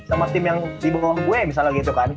sama tim yang di bawah gue misalnya gitu kan